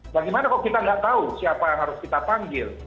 bagaimana kalau kita nggak tahu siapa yang harus kita panggil